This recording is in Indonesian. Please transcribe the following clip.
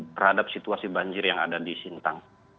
terhadap situasi banjir yang ada di sintang